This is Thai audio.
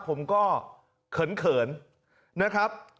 ผมก็เขินนะครับ